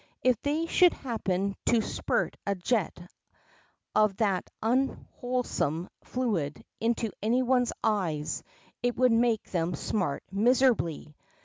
If they should happen to spurt a jet of that unwholesome fluid into any one's eyes, it would make them smart miserably.